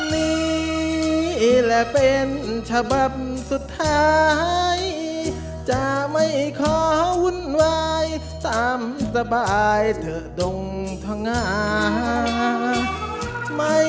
นี้และเป็นฉบับสุดท้ายจะไม่ขอวุ่นวายตามสบายเถอะดงพงา